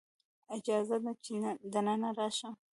اجازه ده چې دننه راشم؟